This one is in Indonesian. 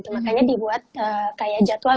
makanya dibuat kayak jadwal